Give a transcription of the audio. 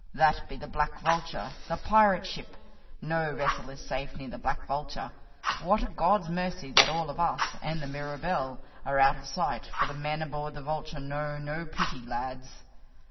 "That be the Black Vulture, the pirate ship. No vessel is safe near the Black Vulture! What a God's mercy that all of us, and the Mirabelle, are out of sight, for the men aboard the Vulture know no pity, lads!"